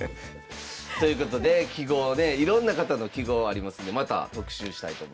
ということで揮毫ねいろんな方の揮毫ありますんでまた特集したいと思います。